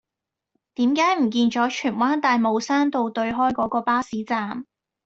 點解唔見左荃灣大帽山道對開嗰個巴士站